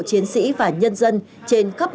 chiến sĩ và nhân dân trên khắp